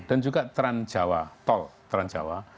dan juga tranjawa tol tranjawa